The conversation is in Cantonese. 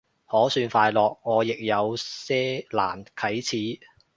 可算快樂，我亦有些難啟齒